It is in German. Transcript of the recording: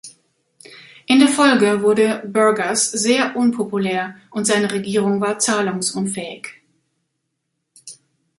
In der Folge wurde Burgers sehr unpopulär und seine Regierung war zahlungsunfähig.